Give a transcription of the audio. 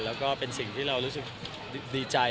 แล้วก็เป็นสิ่งที่เรารู้สึกดีใจ